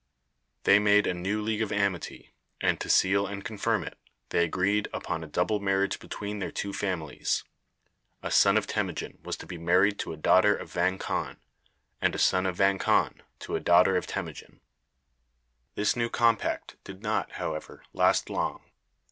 They made a new league of amity, and, to seal and confirm it, they agreed upon a double marriage between their two families. A son of Temujin was to be married to a daughter of Vang Khan, and a son of Vang Khan to a daughter of Temujin. This new compact did not, however, last long.